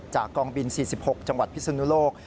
จากกองบิน๔๖จังหวัดพิสุทธิ์นุโลก